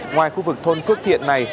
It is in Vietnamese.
ngoài khu vực thôn phước thiện này